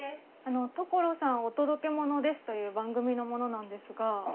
『所さんお届けモノです！』という番組の者なんですが。